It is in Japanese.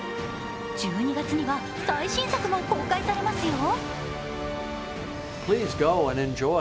１２月には最新作も公開されますよ。